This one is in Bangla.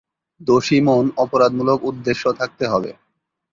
দোষী মন: অপরাধমূলক উদ্দেশ্য থাকতে হবে।